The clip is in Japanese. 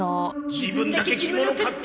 自分だけ着物買って！